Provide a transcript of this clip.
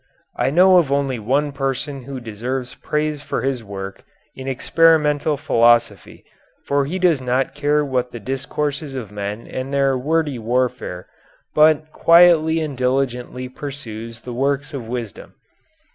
I know of only one person who deserves praise for his work in experimental philosophy for he does not care for the discourses of men and their wordy warfare, but quietly and diligently pursues the works of wisdom.